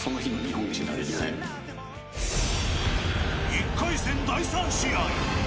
１回戦第３試合